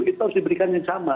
kita harus diberikan yang sama